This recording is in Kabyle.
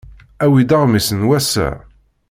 Awi-d aɣmis n wass-a!